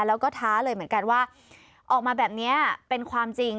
แล้วก็ท้าเลยเหมือนกันว่าออกมาแบบนี้เป็นความจริง